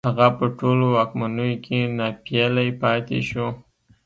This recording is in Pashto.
هغه په ټولو واکمنيو کې ناپېيلی پاتې شو